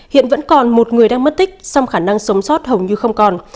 hiện vẫn còn một người đang mất tích song khả năng sống sót hầu như không còn